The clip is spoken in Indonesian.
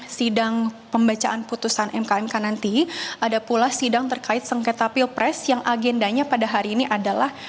sidang pembacaan putusan mkmk nanti ada pula sidang terkait sengketa pilpres yang agendanya pada hari ini adalah